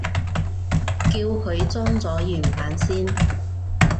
叫佢裝咗原版先